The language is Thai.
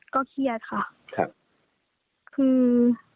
ก็เครียดค่ะค่ะคือ